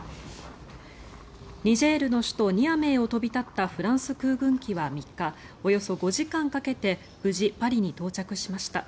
ニジェールの首都ニアメーを飛び立ったフランス空軍機は３日およそ５時間かけて無事パリに到着しました。